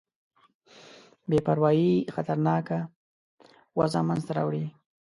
بې پروايي خطرناکه وضع منځته راوړې ده.